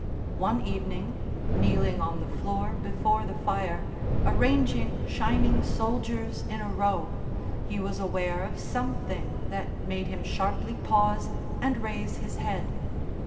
One evening, kneeling on the floor before the fire, arranging shining soldiers in a row, he was aware of something that made him sharply pause and raise his head.